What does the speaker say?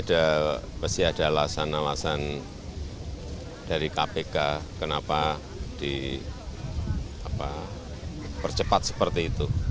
ada pasti ada alasan alasan dari kpk kenapa dipercepat seperti itu